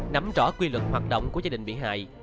nắm rõ quy lực hoạt động của gia đình bị hại